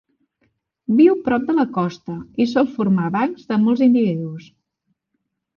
Viu prop de la costa i sol formar bancs de molts individus.